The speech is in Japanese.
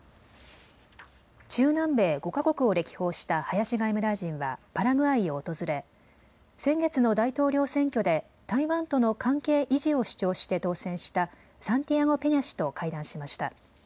中南米５か国を歴訪した林外務大臣はパラグアイを訪れ先月の大統領選挙で台湾との関係維持を主張して当選したサンティアゴ・ペニャ氏と会談しました。